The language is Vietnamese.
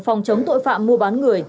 phòng chống tội phạm mua bán người